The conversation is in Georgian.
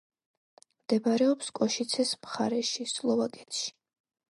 მდებარეობს კოშიცეს მხარეში, სლოვაკეთში.